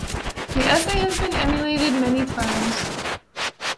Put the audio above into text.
The essay has been emulated many times.